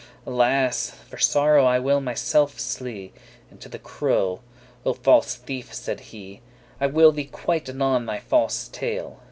Alas! for sorrow I will myself slee* *slay And to the crow, "O false thief," said he, "I will thee quite anon thy false tale.